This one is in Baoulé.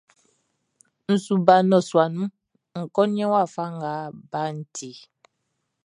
N su ba nnɔsua nun ń kó nían wafa nga baʼn tiʼn.